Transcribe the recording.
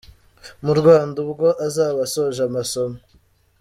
mu Rwanda ubwo azaba asoje amasomo.